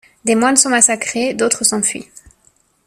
Des moines sont massacrés, d'autres s'enfuient.